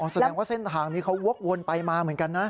แสดงว่าเส้นทางนี้เขาวกวนไปมาเหมือนกันนะ